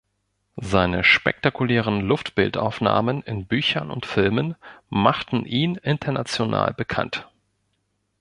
Seine spektakulären Luftbildaufnahmen in Büchern und Filmen machten ihn international bekannt.